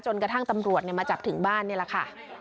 กระทั่งตำรวจมาจับถึงบ้านนี่แหละค่ะ